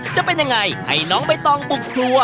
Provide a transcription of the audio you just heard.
จะเป็นยังไงให้น้องใบตองบุกครัว